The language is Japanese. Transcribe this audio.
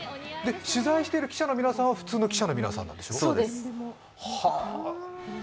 取材している記者の皆さんは普通の記者の皆さんなんでしょう。